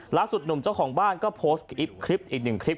ล่าสุดหนุ่มเจ้าของบ้านก็โพสต์คลิปอีกหนึ่งคลิป